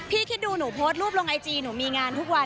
คิดดูหนูโพสต์รูปลงไอจีหนูมีงานทุกวัน